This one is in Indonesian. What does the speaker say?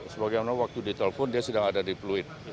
sebagaimana waktu ditelepon dia sedang ada di pluit